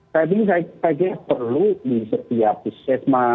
kayak gini kayaknya perlu di setiap sesma